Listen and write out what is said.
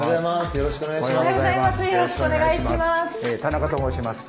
よろしくお願いします。